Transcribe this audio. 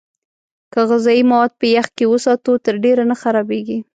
که غذايي مواد په يخ کې وساتو، تر ډېره نه خرابېږي.